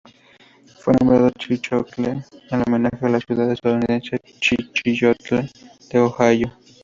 Fue nombrado Chillicothe en homenaje a la ciudad estadounidense Chillicothe de Ohio.